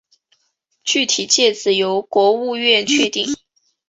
具体界址由国务院确定。